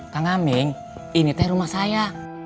kak ngaming ini teh rumah saya